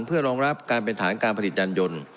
เพื่อรองรับการเป็นฐานการผลิตยานยนต์